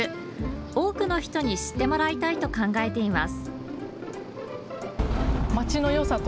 多くの人に知ってもらいたいと考えています。